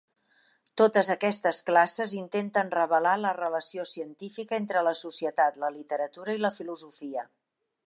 Totes aquestes classes intenten revelar la relació científica entre la societat, la literatura i la filosofia.